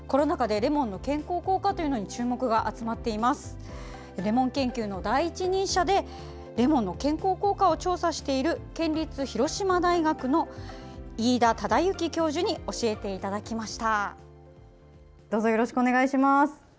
レモン研究の第一人者でレモンの健康効果を調査している県立広島大学の飯田忠行教授に教えていただきました。